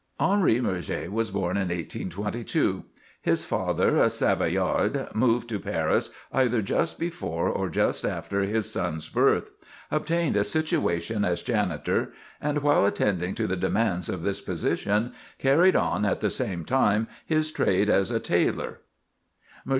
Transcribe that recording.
Henri Murger was born in 1822. His father, a Savoyard, moved to Paris either just before or just after his son's birth; obtained a situation as janitor; and while attending to the demands of this position, carried on at the same time his trade as a tailor.